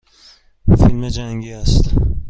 فیلم جنگی است.